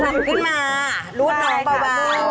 หลับขึ้นมารุดน้องเบา